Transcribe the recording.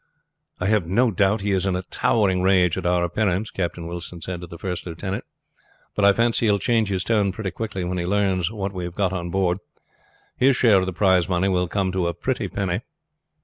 "I have no doubt he is in a towering rage at our appearance," Captain Wilson said to the first lieutenant; "but I fancy he will change his tone pretty quickly when he learns what we have got on board. His share of the prize money will come to a pretty penny."